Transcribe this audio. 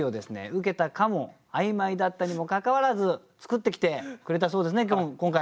受けたかも曖昧だったにもかかわらず作ってきてくれたそうですね今回は。